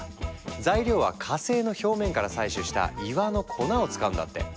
材料は火星の表面から採取した岩の粉を使うんだって！